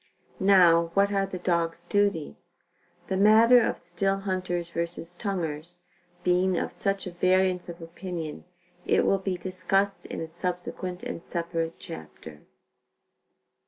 Now, what are the dog's duties? The matter of still hunters vs. tonguers, being of such variance of opinion, it will be discussed in a subsequent and separate chapter.